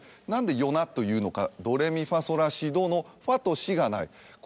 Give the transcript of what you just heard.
何で「ヨナ」というのか？ドレミファソラシドのファとシがない。